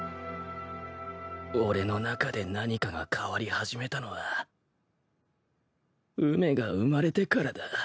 俺の中で何かが変わり始めたのは梅が生まれてからだ